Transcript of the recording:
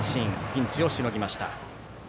ピンチをしのぎました。